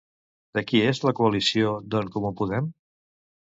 De qui és la coalició d'En Comú Podem?